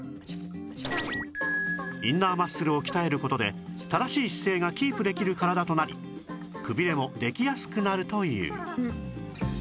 インナーマッスルを鍛える事で正しい姿勢がキープできる体となりくびれもできやすくなるという